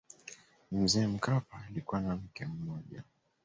mzee mkapa alikuwa na mke mmoja